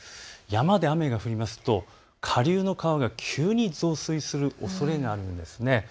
山で雨が降りますと下流の川が急に増水するおそれがあるんです。